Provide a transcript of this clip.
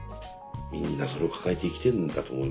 みんなそれを抱えて生きてるんだと思いますけどね。